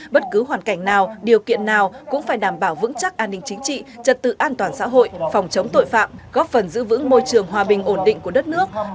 bất cứ hoàn cảnh nào điều kiện nào cũng phải đảm bảo vững chắc an ninh chính trị trật tự an toàn xã hội phòng chống tội phạm góp phần giữ vững môi trường hòa bình ổn định của đất nước